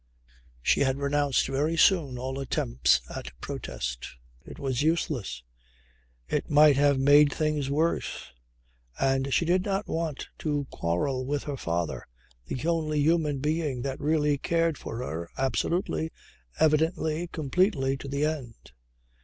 She had renounced very soon all attempts at protests. It was useless. It might have made things worse; and she did not want to quarrel with her father, the only human being that really cared for her, absolutely, evidently, completely to the end.